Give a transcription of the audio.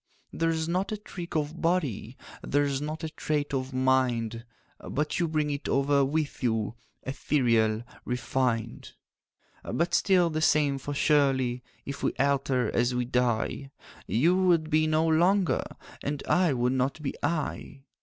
'There's not a trick of body, There's not a trait of mind, But you bring it over with you, Ethereal, refined, 'But still the same; for surely If we alter as we die, You would be you no longer, And I would not be I.